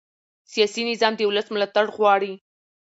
سیاسي نظام د ولس ملاتړ غواړي